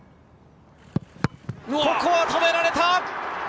ここは止められた！